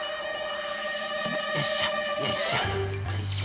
よいしょよいしょよいしょ。